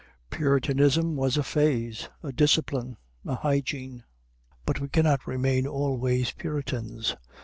Puritanism was a phase, a discipline, a hygiene; but we cannot remain always Puritans.